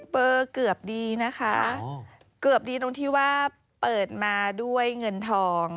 เบอร์เกือบดีนะคะเกือบดีตรงที่ว่าเปิดมาด้วยเงินทอง